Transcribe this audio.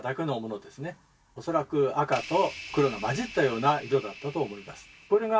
恐らく赤と黒が混じったような色だったと思います。